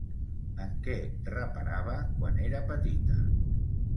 En què reparava quan era petita?